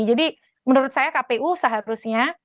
jadi menurut saya kpu seharusnya